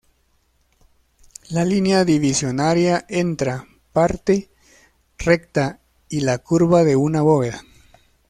La línea divisoria entra parte recta y la curva de una bóveda.